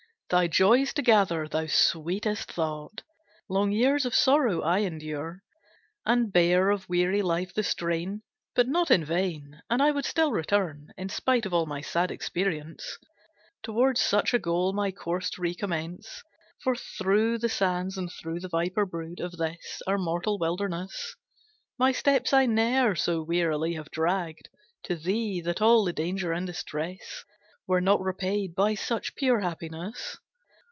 Thy joys to gather, thou sweet thought, Long years of sorrow I endure, And bear of weary life the strain; But not in vain! And I would still return, In spite of all my sad experience, Towards such a goal, my course to recommence; For through the sands, and through the viper brood Of this, our mortal wilderness, My steps I ne'er so wearily have dragged To thee, that all the danger and distress Were not repaid by such pure happiness.